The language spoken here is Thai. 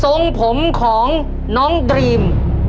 ทรงผมของน้องดรีม